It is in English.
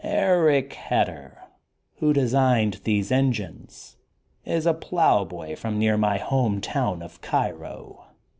"Eric Hedder, who designed these engines, IS a ploughboy from near my home town of Cairo.